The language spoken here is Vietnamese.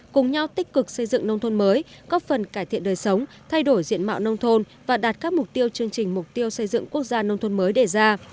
cùng nhau tích cực xây dựng nông thôn mới góp phần cải thiện đời sống thay đổi diện mạo nông thôn và đạt các mục tiêu chương trình mục tiêu xây dựng quốc gia nông thôn mới đề ra